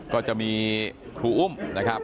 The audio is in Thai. ก็จะมีครูอุ้มนะครับ